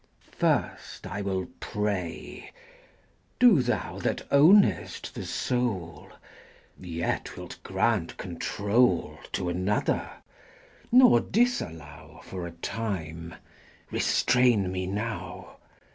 XXVI. First I will pray. Do Thou That ownest the soul, Yet wilt grant control To another, nor disallow For a time, restrain me now!